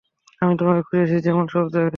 আমি তোমাকে খুঁজেছি যেমন সব জায়গায়!